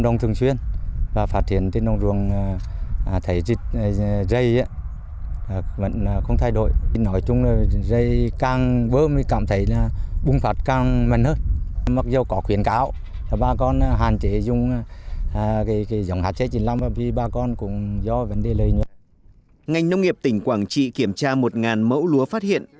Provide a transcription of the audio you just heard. ngành nông nghiệp tỉnh quảng trị kiểm tra một mẫu lúa phát hiện